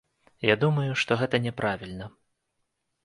Я думаю, што гэта няправільна.